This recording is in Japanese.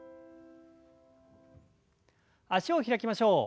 脚を開きましょう。